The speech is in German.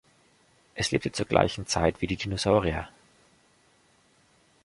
Es lebte zur gleichen Zeit wie die Dinosaurier.